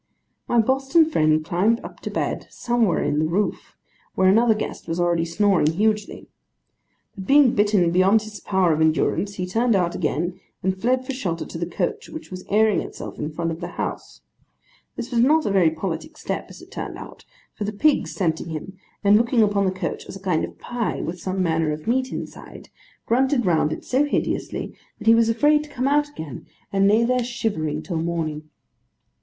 My Boston friend climbed up to bed, somewhere in the roof, where another guest was already snoring hugely. But being bitten beyond his power of endurance, he turned out again, and fled for shelter to the coach, which was airing itself in front of the house. This was not a very politic step, as it turned out; for the pigs scenting him, and looking upon the coach as a kind of pie with some manner of meat inside, grunted round it so hideously, that he was afraid to come out again, and lay there shivering, till morning.